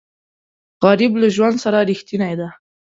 غریب له ژوند سره رښتینی دی